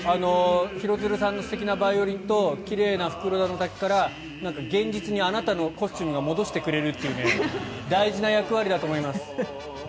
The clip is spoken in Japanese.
廣津留さんの素敵なバイオリンと奇麗な袋田の滝から現実にあなたのコスチュームが戻してくれるという大事な役割だと思います。